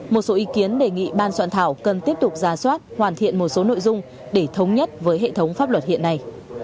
một số ý kiến đề nghị ban soạn thảo cần tiếp tục ra soát hoàn thiện một số nội dung để thống nhất với hệ thống pháp luật hiện nay